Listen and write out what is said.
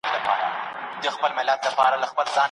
که موږ له کړکۍ څخه ډبره چاڼ نه کړو، زیان لري.